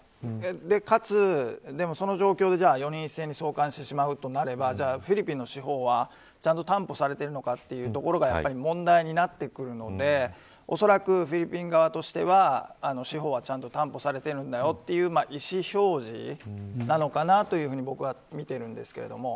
かつ、でもその状況で、４人を一斉に送還してしまうとなればフィリピンの司法はちゃんと担保されているのかというところがというところがやはり、問題になってくるのでおそらくフィリピン側としては司法はちゃんと担保されているんだという意思表示なのかなと僕は見てるんですけれども。